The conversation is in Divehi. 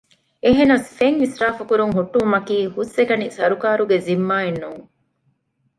އެހެނަސް ފެން އިސްރާފުކުރުން ހުއްޓުވުމަކީ ހުސްއެކަނި ސަރުކާރުގެ ޒިންމާއެއް ނޫން